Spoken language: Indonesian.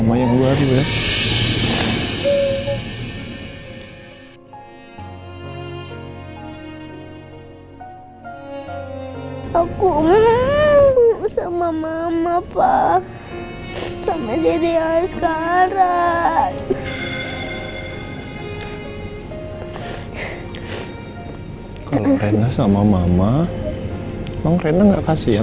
sampai jumpa di video selanjutnya